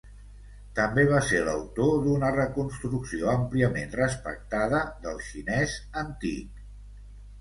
També va ser l'autor d'una reconstrucció àmpliament respectada del xinès antic.